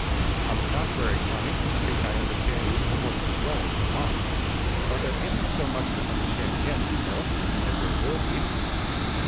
"On the contrary, Connie, I think I understand you almost as well as mamma. But there isn't so much to understand yet, you know, as there will be."